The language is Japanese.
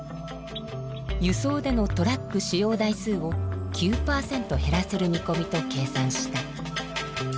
輸送でのトラック使用台数を９％減らせるみこみと計算した。